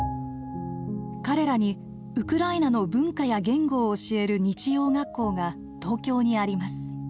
彼らにウクライナの文化や言語を教える日曜学校が東京にあります。